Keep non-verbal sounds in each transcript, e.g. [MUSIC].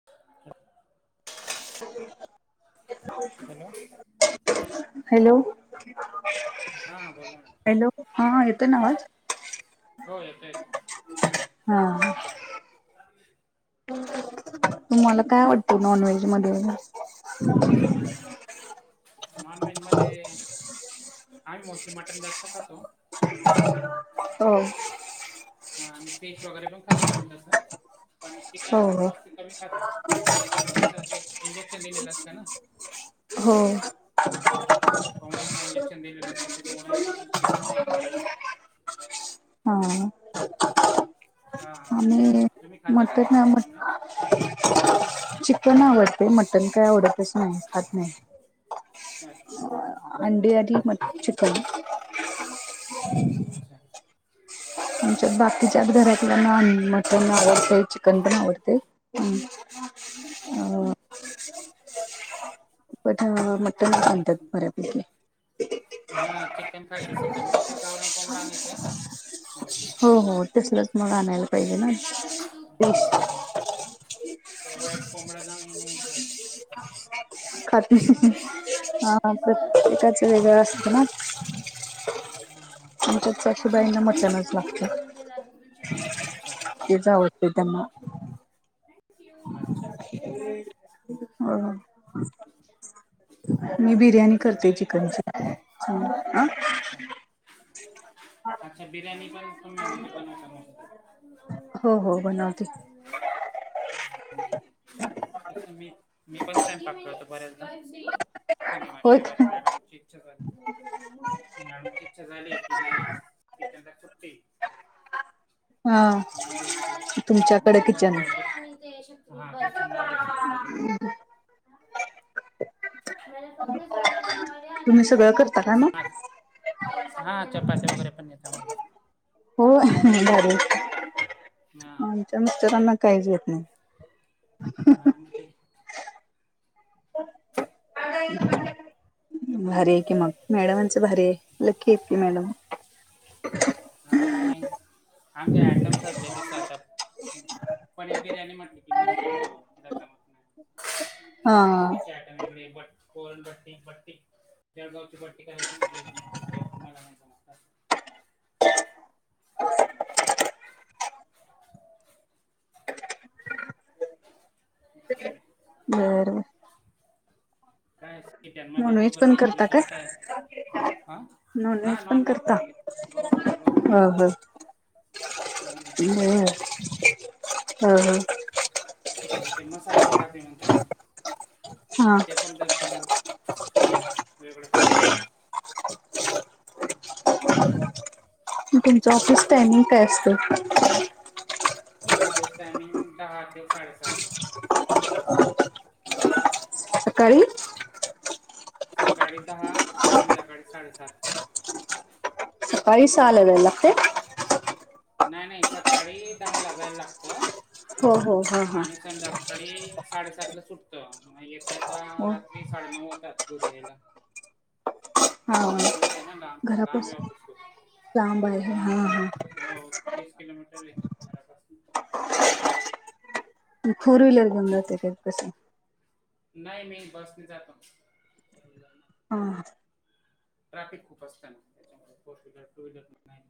[UNINTELLIGIBLE] Hello [UNINTELLIGIBLE] hello हा बोला ना [INAUDIBLE] हॅलो हा येतोय ना आवाज हो येत [INAUDIBLE] हा ह [UNINTELLIGIBLE] तुम्हाला काय आवडत नॉन व्हेज मध्ये नॉन व्हेज मध्ये आम्ही मोस्टली मटन जास्त खातो [UNINTELLIGIBLE] हो हा आणि फिश वगैरे पण खातो आम्ही तसं पण चिकन हो मोस्टली कमी खातो कारण चिकनच कस ते इंजेक्शन दिलेलं असतं ना हो कोंबड्यांना इंजेक्शन दिलेलं असतं त्याच्यामुळे मी चिकन नाही खात तेवढं, हा हा हा. आणि तुम्ही खाता का मटना नॉनव्हेज मध्ये चिकन आवडते मटन काय आवडतच नाही खात नाही अच्छा अंडी आणि चिकन अच्छा आमच्या बाकीच्या घरातल्या नॉन [INAUDIBLE] मटन आवडते चिकन पण आवडते ह पठ [UNINTELLIGIBLE] मटन मग आन ते म्हणतात परतलेले [INAUDIBLE] हा चिकन खायच सध्या [INAUDIBLE] मग ते गावरण कोंबडा आणायच हो हो तसलच मग आणायला [UNINTELLIGIBLE] पाहिजे ना मम्मी बाकी सगळे तूप फिश खिर कर ते एक कोंबडा [UNINTELLIGIBLE] नाही नाही खायचा खात्री [UNINTELLIGIBLE] हा खिस ग. प्रत्येकाच वेगळं असत ना [UNINTELLIGIBLE] आमच्यात हे कस सासूबाईंना शोध मटणच लागतं. तो म्हण जागू कर शकतो म [UNINTELLIGIBLE] तेच आवडते त्यांना सी यु अच्छा हो मी तुमचे बिर्याणी करते सगळे चिकनची अच्छा अच्छा बिर्याणी पण तुम्ही म्हणजे बनवता म्हणे [UNINTELLIGIBLE] हो हो किती वेळ बनवते. झाले [UNINTELLIGIBLE] जस मी. मी पण स्वयंपाक करतो बऱ्याचदा. शनिवारी - होय रवीवारी का? मॅडमची इच्छा झाली, मॅडमची इच्छा झाली की नाही आज कीचनला सुट्टी. हा. मला फक्त तुमच्याकडे साबुदाणा किचन वडे आणि ते [UNINTELLIGIBLE] मला फक्त साबुदाना वडे तुम्ही न सगळं चटणी करता का बस. मग? तीन सव्वा तीन, हा चपाती वगैरे पण येत मला. हो भारीय की, हा आमच्या मिस्टरांना काहीच येत नाही. हा आणि ते [UNINTELLIGIBLE] भारी आहे की मग मॅडमांचं भारी आहे. लकी आहेत की मॅडम. हा आणि आमचे आटम चालले ते सात आठ. पनीर बिर्याणी म्हटली की मीच करतो. तीला जमत नाही. हा. [UNINTELLIGIBLE] भट्टी बट्टी जळगावची भट्टी करायची म्हटलीसना तिच करते मला नाही जमत. [INAUDIBLE] [INAUDIBLE] बर बर [UNINTELLIGIBLE] काय अस की जन्म [UNINTELLIGIBLE] की नॉनव्हेज पण नोकरी करता काय? करताय. आ. हा नॉनव्हेज पण करतोय. हो ओके ओके. ह ह माझ तस काय बर. हा हा. नाही ते मसाल्याची बाटी म्हणता ना? हा ते पण जमत मला. वेगळ्या प्रकारचे. तुमचं ऑफिस टायमिंग काय असतं? ऑफिस टायमिंग दहा ते साडेसात. सकाळी? सकाळी दहा ते संध्याकाळी साडेसात. सकाळी सहा ला जाय लागतय? नाही नाही सकाळी दहा ला जायला लागत. हो हो हा हा. आणि संध्याकाळी - - सकाळी साडेसात ला सुटतं म येता येता हो रात्री साडेनऊ होतात घरी यायला. हा दुर आहे ना लांब, लांब आहे घरापासून ऑफिस खुप हा घरा हो तीस किलोमीटर आहे घरापासन. फोर व्हीलर घेऊन जाताय की कस? नाही नाही बसने जातो. हा ट्राफिक खूप असतं ना त्याच्यामुळे फोर व्हीलर टू व्हीलर नाही.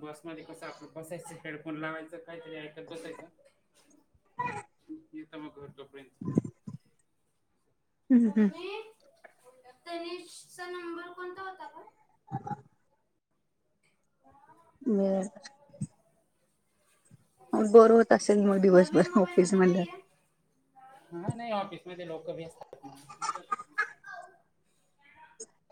बसमध्ये कसं आपलं बसायचं. हेडफोन लावायचं. काहीतरी ऐकत बसायचं. येतं म घर तोपर्यंत. हम्म हम्म मम्मी तनीश चा नंबर कोणता होता ग? [UNINTELLIGIBLE] बर बोर होत असेल मग नवीन दिवसभर मोबाईल ऑफिस मध्ये म्हणल्यावर. नाहीयय? हा नाही ऑफिस मध्ये लोकं बी असतात ना?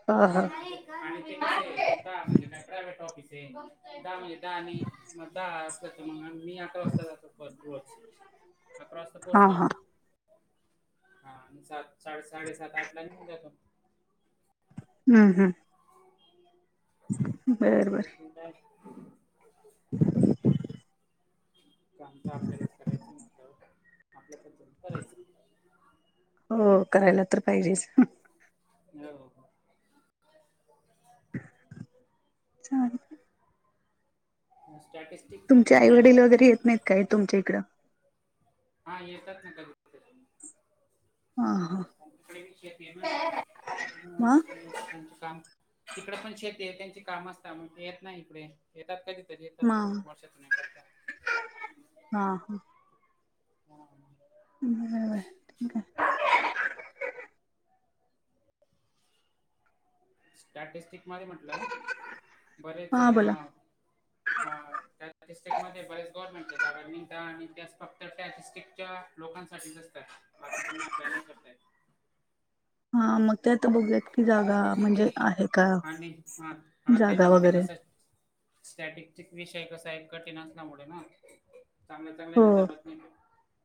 हा हा नाही आणि ते कस आहे का म्हणजे प्रायवेट टॉफिसय दहा म्हणजे दहा नाही. म दहा असत त मग मी अकरा वाजता जातो फर्स्ट रोस्ट अकरा वाजता हा पोहोचतो हा ऑफिसला. हा आणि सात साडे -साडेसात आठ ला निघुन जातो. हम्म हम्म. [INAUDIBLE] ते बर बर काय [UNINTELLIGIBLE] [INAUDIBLE] काम तर आपल्यालाच करायच म्हंटल्यावर काय आपल्याच करायच. हो करायला तर पाहिजेच. हो. चाल स्टॅटि तुमचे आईवडील वगैरे येत नाहीत काय तुमच्या इकडं? हा येतात ना कधी-कधी. हा हा तिकडे ही शेती आहे ना. म ते त्यांच काम. तिकडे पण शेती आहे, त्यांची काम असत त्यामुळं येत नाही इकडे. येतात कधीतरी येतात म वर्षातुन एखादा. हा हा [INAUDIBLE] हम्म. [INAUDIBLE] [UNINTELLIGIBLE] स्टॅटिस्टिक मध्ये म्हटलं बरेच हा बोला हा त्या डिस्ट्रिकटमध्ये बरेच गवर्नमेंटचे जागा आणि त्या [UNINTELLIGIBLE] फक्त त्या स्टॅटिस्टिकच्या. लोकांसाठीच नुसत बाकीच्यांना आप्लाय नाही करता येत. हा मग ते आता बघुयात की जागा म्हणजे आहेत. आणि हा आणि त्याच्यामध्ये कसं स्टॅटिस्टिक विषय कसा हाय कठीण असल्यामुळे ना. हो चांगल्या-चांगल्याना जमत नाही.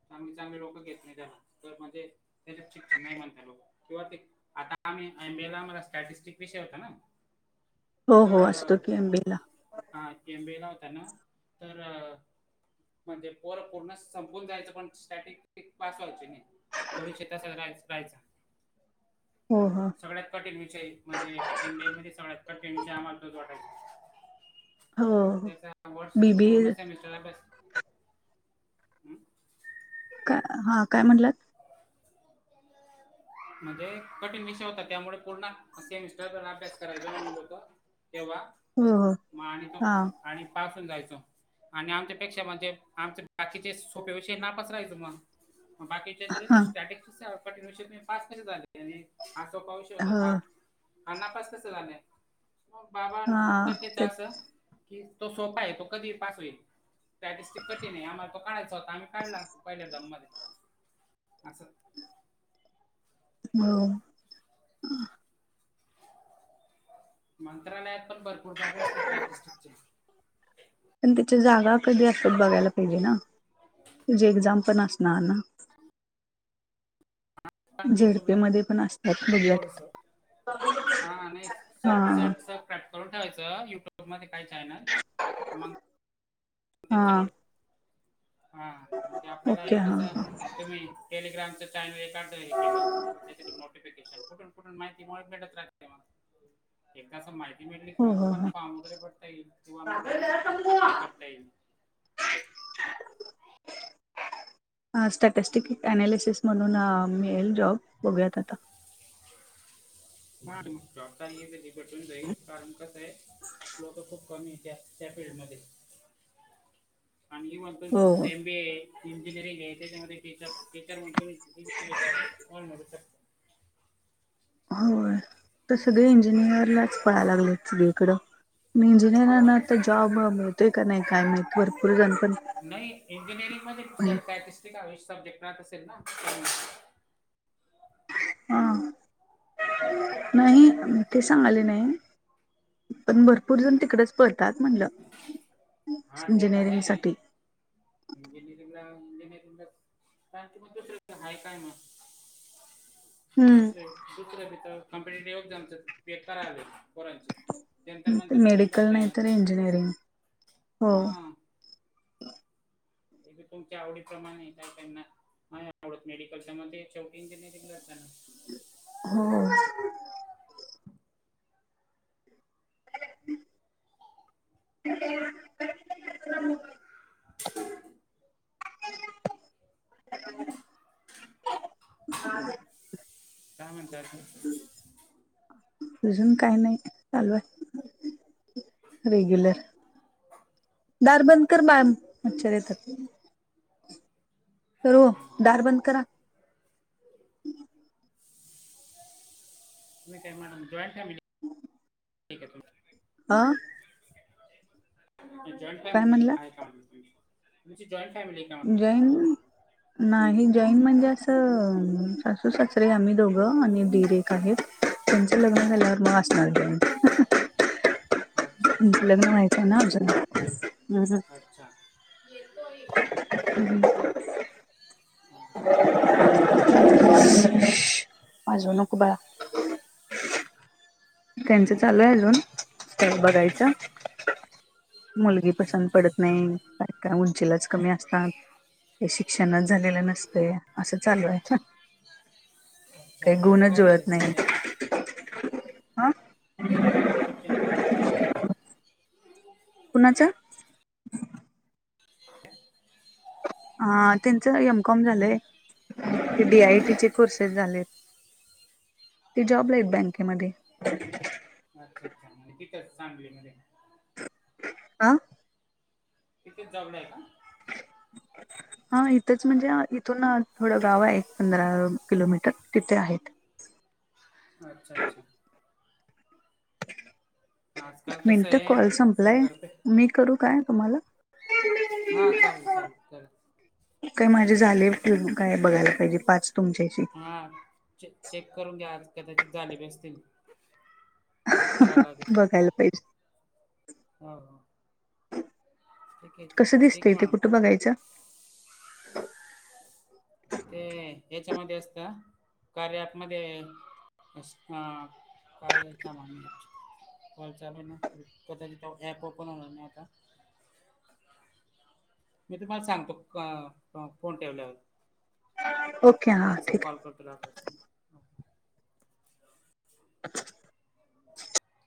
चांगली-चांगली लोकं घेत नाही त्याना तर म्हणजे त्याच्यात शिक्षण नाही म्हणतात लोक किंवा ते आता आम्ही एमबीएला स्टॅटिस्टिक विषय होता ना. हो हो तर असतो की एमबीएला. हा एमबीएला होता ना तर म्हणजे पोर पूर्ण संपून जायचं पण स्टॅटेस्टिक पास व्हायची नाही. तो विषय सगळ्यांच रायचा. हो हो [INAUDIBLE] सगळ्यात कठीण विषय म्हणजे एमबीए मध्ये सगळ्यात कठीण विषय आम्हाला तोच वाटायचा. हो हो त्याचा वर्ष बी बी पूर्ण ए सेमिस् सिलाबस [INAUDIBLE] का हा काय म्हणाला? म्हणजे कठीण विषय होता त्यामुळे पूर्ण सेमिस्टर अभ्यास करायचो ना मी लोक तेव्हा हो हो मग आणि तो हा आणि पास होऊन जायचो. आणि आमच्यापेक्षा म्हणजे आमचे बाकीचे सोपे विषय नापास राहायच मग. म बाकीच्याच हा कस स्टॅटिक्स कठीण विषय पास कशे झालेत हेनी आ सोपा विषय [UNINTELLIGIBLE] हो हा नापास कस झालंय मग बाबा हा उत्तर देत ते अस कि तो सोपा आहे तो कधीही पास होईल. स्टॅटिक्सच कनी आम्हाला तो काढायचं होता आम्ही काढला पहिल्या एक्झाम मधेच असं. हम्म. मंत्रालयात पण भरपूर जागा असतात स्टॅटिक्सचे. पण तिच्या जागा कधी असतात बघायला पाहिजे ना त्याचे एक्झाम पण असणार ना. [UNINTELLIGIBLE] झेडपी मध्ये पण अस थोडंसं आणि हा सट सट सट करून ठेवायच युट्यूब मध्ये काय चॅनल, मग हा हा मग ते आपल्याला ओके हां त्याचा हां तुम टेलिग्राम चे चॅनल काढल हे केलं त्या नोटिफिकेशन कुठून कुठून माहिती भेटत राहते मग एकदा अस माहिती मिळली की हो मग हो तुम्हाला फॉर्म वगैरे भरता येईल किंवा मग अप्लाय करता येईल. ह स्टॅटिस्टिक अनालिसिस म्हणून मिळेल जॉब बघूयात आता बार जॉडता हेली भटून जाईल कारण कसं आहे लोक खूप कमी आहे त्या त्या फील्डमध्ये आणि मी म्हणतो हो हो तसं एमबीए इंजिनिअरिंग आहे त्याच्यामध्ये टीचर टीचर म्हणतो मी जॉब होय तर सगळे इंजिनियरलाच पळाय लागलेत सगळीकडं मी इंजिनिअर ना तर जॉब होते कर नाही काय मात भरपूर जण पण नाही इंजिनिअरिंग मध्ये तर सॅटिस्टिक सब्जेक्ट राहत असेल ना हा नाही ते सांगले नाही पण भरपूर जण तिकडच परतात म्हणलं हा ते तर इंजिनिअरिंग आहे. साठी. इंजिनिअरिंगला इंजिनिअरिंगला कार मग आहे काय मग हम्म. सूत्र तर कम्पिटट एगजाम करायले बेकार आले पोरांचे जंतर मंतरला बघताय ना हं हा हे तुमच्या आवडीप्रमाणे काही त्यांना नाही आवडत मेडिकलच्या मध्ये इंजिनिअरिंगला जाणार होा ह दहा मिनिटांनी अजून काही नाही चालूय रेग्युलर, दार बंद कर बाळ मच्छर येतात ओ दार बंद करा जॉईन फॅमिली हम् ठीक आहे हा तुमची जॉईंट काय फॅमिली म्हणला? आहे का? जॉईट फॅमिली आहे का म्हटलं जैन नाही जॉईन म्हणजे असं सासू सासरे आम्ही दोघं आणि दीरे एक आहेत त्यांचं लग्न झाल्यावर मग असणार की अच्छा अच्छा त्याच हां लग्न व्हायचं हां आहे ना अजुन अच्छा हां. हम् ते का वाजवू नको बाळा. त्यांचं चालू आहे अजून [UNINTELLIGIBLE] बघायचं. मुलगी पसंत अच्छा पडत नाही काय काय उंचीलाच कमी असतात. हे शिक्षणचं हां झालेलं नसतयं असं चालू आहे. अच्छा, काही त्यांचं गुणच काय झालं शिक्षण? [UNINTELLIGIBLE] हा शिक्षण शिक्षण काय झालं त्यांचं? कुणाचं? [UNINTELLIGIBLE] अ त्यांचं एम कॉम झालंय ते डी आय टी चे कोर्सेस झालेत. ते अच्छा जॉबला आहेत बँकेमध्ये. अच्छा अच्छा म्हणजे तिथंच सांगलीमध्ये. आ तिथेच जवल आहे का? हा इथंच म्हणजे इथून थोडं गाव आहे एक पंधरा किलोमीटर तिथे आहेत. अच्छा अच्छा. आजकाल कसं मिनटं आहे कॉल संपलाय, सुंदर पे मी करू काय तुम्हाला? हा चालेल चालेल चालेल. काय माझे झाले काय बघायला पाहिजे पाच तुमच्याशी. हा चे चेक करून घ्या आज कदाचित झाले बी असतील. चेक करायला बघायला पाहिजे. ह हा. कसं ठीक आहे दिसतंय तेे मॅडम कुठं बघायचं? ते ह्याच्यामध्ये असतं कार्या ॲपमध्ये काय [UNINTELLIGIBLE] कॉल चालू आहे ना कदाचित ॲप ओपन होणार नाही आता. मी तुम्हाला सांगतो क फोन ठेवल्यावर हो. व्हॉट्सअप कॉल करतो लागल्यास. [INAUDIBLE]